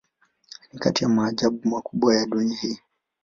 Ni kati ya maajabu makubwa ya dunia hii.